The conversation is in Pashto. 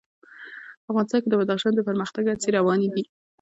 افغانستان کې د بدخشان د پرمختګ هڅې روانې دي.